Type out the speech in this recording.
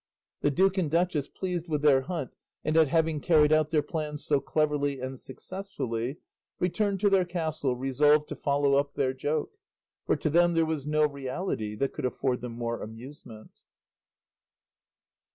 The duke and duchess, pleased with their hunt and at having carried out their plans so cleverly and successfully, returned to their castle resolved to follow up their joke; for to them there was no reality that could afford them more amusement.